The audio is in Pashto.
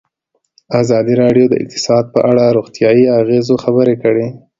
ازادي راډیو د اقتصاد په اړه د روغتیایي اغېزو خبره کړې.